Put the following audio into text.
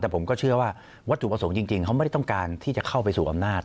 แต่ผมก็เชื่อว่าวัตถุประสงค์จริงเขาไม่ได้ต้องการที่จะเข้าไปสู่อำนาจ